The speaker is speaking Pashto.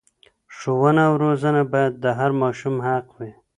ښوونه او روزنه باید د هر ماشوم حق وي.